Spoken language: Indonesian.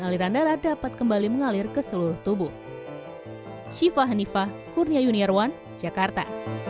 aliran darah dapat kembali mengalir ke seluruh tubuh siva hanifah kurnia junior one jakarta